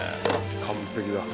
完璧だ。